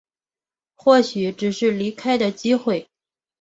或许只是离开的机会